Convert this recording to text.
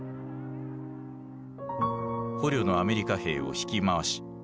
捕虜のアメリカ兵を引き回し